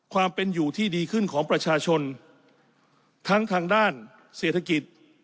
ความเป็นอยู่ที่ดีขึ้นของประชาชนทั้งทางด้านเศรษฐกิจ